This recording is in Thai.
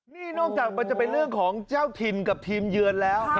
นิ้นกว่าจะเป็นกันเรื่องของเจ้าทินกับทีมเยินแล้ว